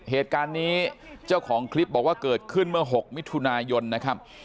เหตุการณ์นี้เจ้าของคลิปบอกว่าเกิดขึ้นเมื่อ๖มิถุนายนนะครับ